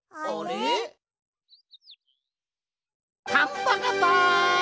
パンパカパン！